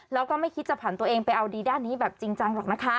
แล้วก็ไม่คิดจะผ่านตัวเองไปเอาดีด้านนี้แบบจริงจังหรอกนะคะ